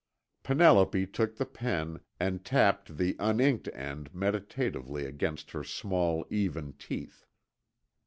Penelope took the pen and tapped the un inked end meditatively against her small, even teeth.